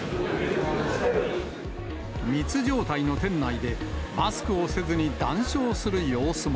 密状態の店内で、マスクをせずに談笑する様子も。